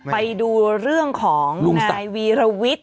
ไปดูเรื่องของนายวีรวิทย์